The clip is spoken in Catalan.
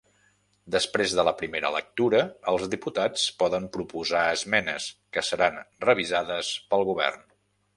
Després de la primera lectura, els diputats poden proposar esmenes, que seran revisades pel govern.